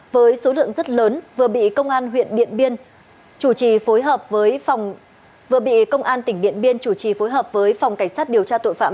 với số lượng rất lớn vừa bị công an huyện điện biên chủ trì phối hợp với phòng cảnh sát điều tra tội phạm